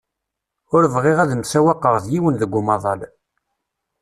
Ur bɣiɣ ad msewwaqeɣ d yiwen deg umaḍal.